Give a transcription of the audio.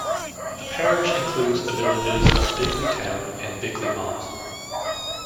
The parish includes the villages of Bickley Town and Bickley Moss.